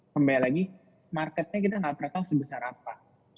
kembali lagi marketnya kita nggak pernah tahu sebesar apa